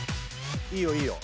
・いいよいいよ。